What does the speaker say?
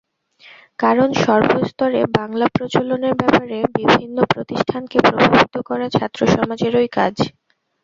কারণ, সর্বস্তরে বাংলা প্রচলনের ব্যাপারে বিভিন্ন প্রতিষ্ঠানকে প্রভাবিত করা ছাত্রসমাজেরই কাজ।